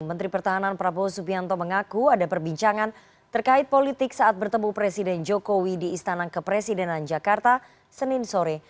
menteri pertahanan prabowo subianto mengaku ada perbincangan terkait politik saat bertemu presiden jokowi di istana kepresidenan jakarta senin sore